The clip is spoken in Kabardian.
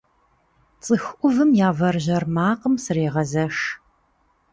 Цӏыху ӏувым я вэржьэр макъым срегъэзэш.